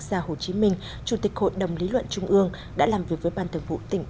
gia hồ chí minh chủ tịch hội đồng lý luận trung ương đã làm việc với ban thường vụ tỉnh